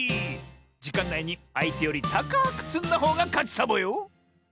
じかんないにあいてよりたかくつんだほうがかちサボよ！